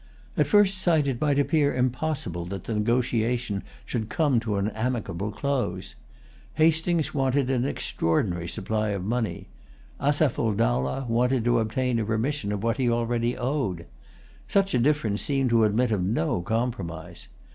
At first sight it might appear impossible that the negotiation should come to an amicable close. Hastings wanted an extraordinary supply of money. Asaph ul Dowlah wanted to obtain a remission of what he already owed. Such a difference seemed to admit of no compromise.